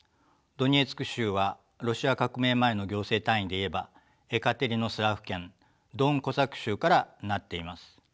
ドネツク州はロシア革命前の行政単位で言えばエカテリノスラフ県ドン・コサック州から成っています。